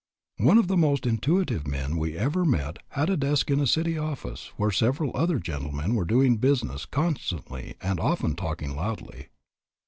"One of the most intuitive men we ever met had a desk in a city office where several other gentlemen were doing business constantly and often talking loudly.